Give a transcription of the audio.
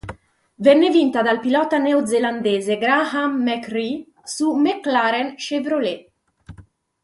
Venne vinta dal pilota neozelandese Graham McRae su McLaren-Chevrolet.